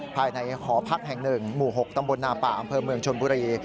ภายในหอพักแห่ง๑หมู่๖ตำบลนาป่าอำเภอเมืองชนบุรี